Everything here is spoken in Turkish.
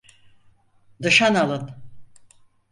Nişan alın!